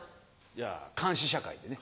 じゃあ「監視社会」でね。